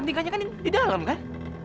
tiganya kan di dalam kan